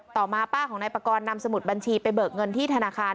ต่อมาป้าของนายปกรณ์นำสมุดบัญชีไปเบิกเงินที่ธนาคาร